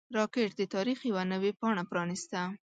راکټ د تاریخ یوه نوې پاڼه پرانیسته